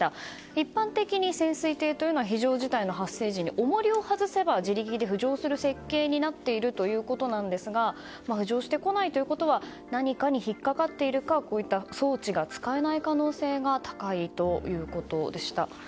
一般的に潜水艇は非常事態の発生時におもりを外せば自力で浮上する設計になっているということですが浮上してこないということは何かに引っかかっているかこういった装置が使えない可能性が高いということでした。